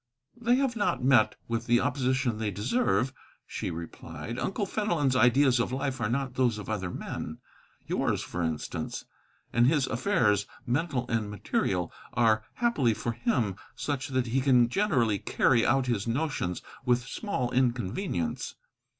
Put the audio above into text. "They have not met with the opposition they deserve," she replied. "Uncle Fenelon's ideas of life are not those of other men, yours, for instance. And his affairs, mental and material, are, happily for him, such that he can generally carry out his notions with small inconvenience.